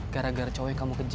gara gara cowok yang kamu kejar